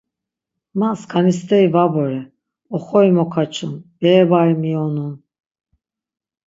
Ma skani steri var bore, oxori mokaçun, bere bari miyonun.